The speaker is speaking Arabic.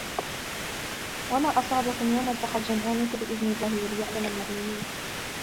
وَمَا أَصَابَكُمْ يَوْمَ الْتَقَى الْجَمْعَانِ فَبِإِذْنِ اللَّهِ وَلِيَعْلَمَ الْمُؤْمِنِينَ